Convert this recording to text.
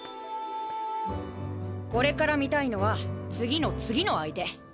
これから見たいのは次の次の相手。